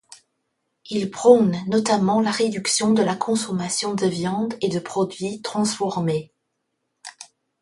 Il prône notamment la réduction de la consommation de viande et de produits transformés.